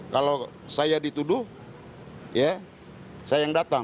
kalau saya dituduh ya saya yang datang